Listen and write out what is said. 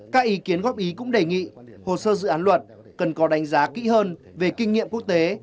các ý kiến góp ý cũng đề nghị hồ sơ dự án luật cần có đánh giá kỹ hơn về kinh nghiệm quốc tế